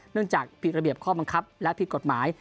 จากผิดระเบียบข้อบังคับและผิดกฎหมาย